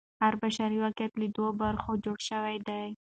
هر بشري واقعیت له دوو برخو جوړ سوی دی.